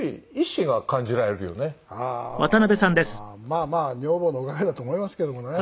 まあまあ女房のおかげだと思いますけどもね。